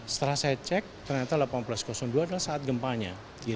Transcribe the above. setelah saya cek ternyata seribu delapan ratus dua adalah saat gempanya